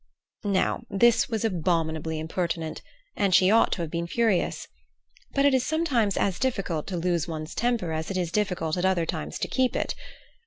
Now, this was abominably impertinent, and she ought to have been furious. But it is sometimes as difficult to lose one's temper as it is difficult at other times to keep it.